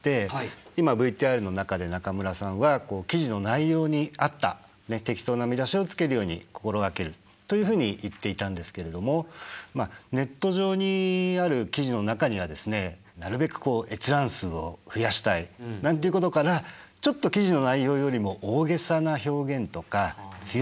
今ＶＴＲの中で中村さんは記事の内容に合った適当な見出しをつけるように心掛けるというふうに言っていたんですけれどもネット上にある記事の中にはですねなるべくこう閲覧数を増やしたいなんていうことからちょっとそうですね。